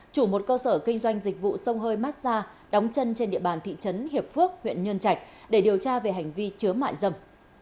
chủ một cơ sở kinh doanh dịch vụ sông hơi massage đóng chân trên địa bàn thị trấn hiệp phước huyện nhân trạch để điều tra về hành vi chứa mại dâm